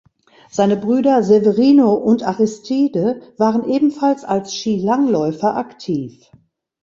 Seine Brüder Severino und Aristide waren ebenfalls als Skilangläufer aktiv.